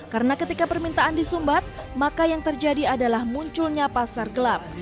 karena ketika permintaan disumbat maka yang terjadi adalah munculnya pasar gelap